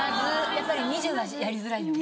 やっぱり２０はやりづらいよね。